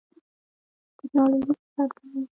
ټکنالوژي فساد کموي